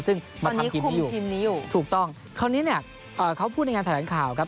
ซึ่งตอนนี้คุมทีมนี้อยู่ถูกต้องคราวนี้เนี่ยเขาพูดในงานแถลงข่าวครับ